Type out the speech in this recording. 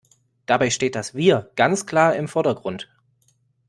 Dabei steht das Wir ganz klar im Vordergrund.